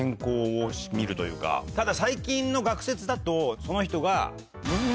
ただ最近の学説だとその人が。